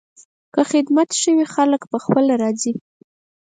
که خدمت ښه وي، خلک پخپله راځي.